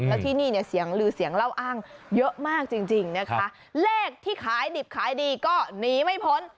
แล้วที่นี่เนี่ยเสียงลือเสียงเล่าอ้างเยอะมากจริงจริงนะคะเลขที่ขายดิบขายดีก็หนีไม่พ้น